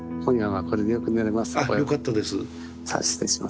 あっよかったです。